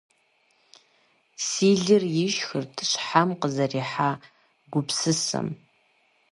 Си лыр ишхырт щхьэм къизэрыхьа гупсысэм.